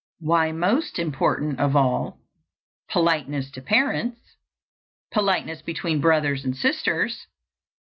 Why most important of all. Politeness to parents. _Politeness between brothers and sisters.